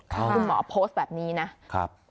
คุณหมอโพสสแบบนี้นะ